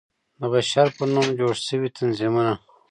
د بشر په نوم جوړ شوى تنظيمونه